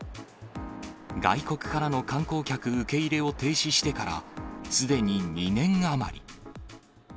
外国からの観光客受け入れを停止してからすでに２年余り。